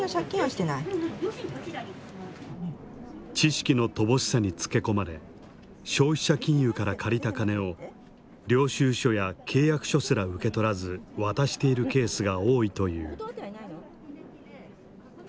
知識の乏しさにつけ込まれ消費者金融から借りた金を領収書や契約書すら受け取らず渡しているケースが多いという。